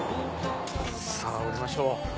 さぁ降りましょう。